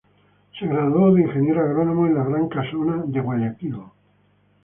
Se graduó de ingeniero agrónomo en la Gran Casona de Guayaquil.